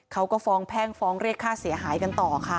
เขาก็ฟ้องแพ่งฟ้องเรียกค่าเสียหายกันต่อค่ะ